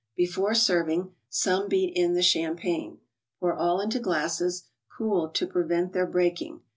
Before serving, some beat in the champagne. Pour all into glasses, cooled to prevent their breaking.